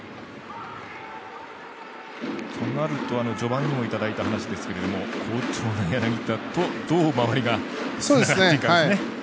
となると、序盤にもいただいた話ですけれども好調な柳田とどう周りがつながっていくかですね。